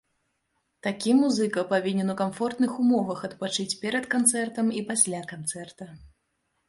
Такі музыка павінен у камфортных умовах адпачыць перад канцэртам і пасля канцэрта.